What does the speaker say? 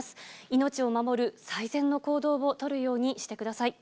命を守る最善の行動を取るようにしてください。